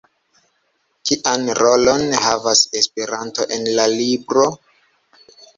Kian rolon havas Esperanto en la libro?